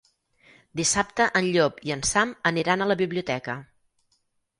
Dissabte en Llop i en Sam aniran a la biblioteca.